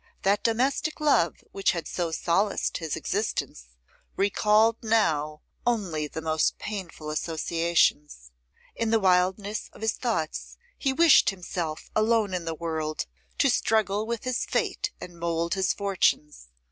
That domestic love which had so solaced his existence, recalled now only the most painful associations. In the wildness of his thoughts he wished himself alone in the world, to struggle with his fate and mould his fortunes.